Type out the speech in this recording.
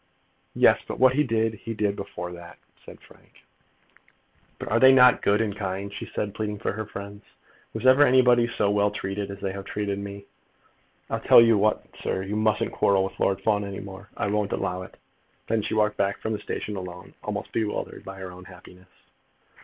"Yes; but what he did, he did before that," said Frank. "But are they not good and kind?" she said, pleading for her friends. "Was ever anybody so well treated as they have treated me? I'll tell you what, sir, you mustn't quarrel with Lord Fawn any more. I won't allow it." Then she walked back from the station alone, almost bewildered by her own happiness.